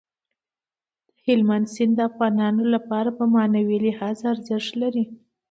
هلمند سیند د افغانانو لپاره په معنوي لحاظ ارزښت لري.